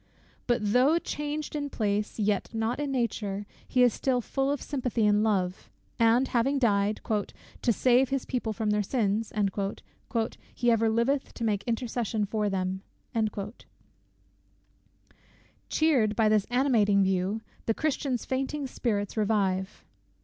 But though changed in place, yet not in nature, he is still full of sympathy and love; and having died "to save his people from their sins," "he ever liveth to make intercession for them." Cheered by this animating view, the Christian's fainting spirits revive.